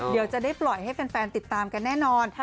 เดี๋ยวจะได้ปล่อยให้แฟนติดตามกันแน่นอน